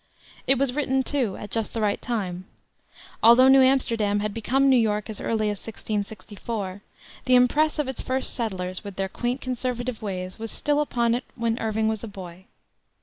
It was written, too, at just the right time. Although New Amsterdam had become New York as early as 1664, the impress of its first settlers, with their quaint conservative ways, was still upon it when Irving was a boy.